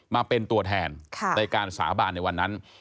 มาเป็นตัวแทนในการสาบานในวันนั้น